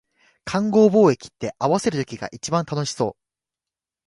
勘合貿易って、合わせる時が一番楽しそう